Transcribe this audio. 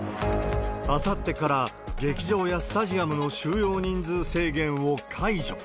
あさってから、劇場やスタジアムの収容人数制限を解除。